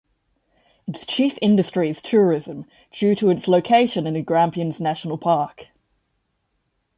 Its chief industry is tourism, due to its location in the Grampians National Park.